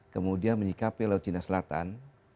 kemudian menyikapi laut cina selatan